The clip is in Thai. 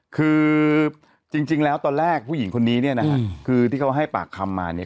คือจริงแล้วตอนแรกผู้หญิงคนนี้เนี่ยนะฮะคือที่เขาให้ปากคำมาเนี่ย